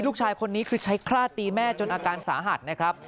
ลูกชายคนนี้คือใช้คราดตีแม่จนอาการสาหัสนะครับ